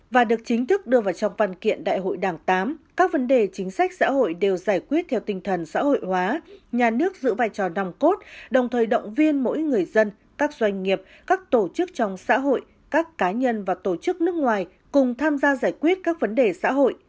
và được chính thức đưa vào trong văn kiện đại hội đảng tám các vấn đề chính sách xã hội đều giải quyết theo tinh thần xã hội hóa nhà nước giữ vai trò nằm cốt đồng thời động viên mỗi người dân các doanh nghiệp các tổ chức trong xã hội các cá nhân và tổ chức nước ngoài cùng tham gia giải quyết các vấn đề xã hội